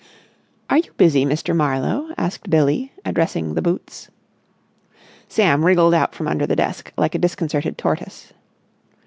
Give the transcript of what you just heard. "Are you busy, Mr. Marlowe?" asked Billie, addressing the boots. Sam wriggled out from under the desk like a disconcerted tortoise.